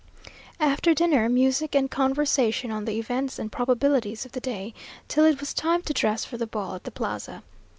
After dinner music and conversation on the events and probabilities of the day, till it was time to dress for the ball at the Plaza.